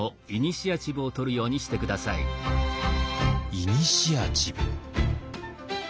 イニシアチブ。